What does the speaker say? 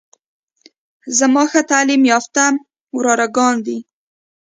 زما ښه تعليم يافته وراره ګان دي.